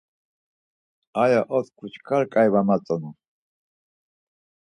Aya otku çkar ǩai va matzonu.